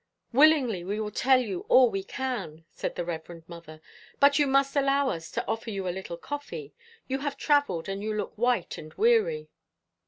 "Willingly, we will tell you all we can," said the Reverend Mother. "But you must allow us to offer you a little coffee. You have travelled, and you look white and weary."